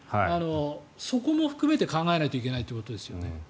そこも含めて考えないといけないということですよね。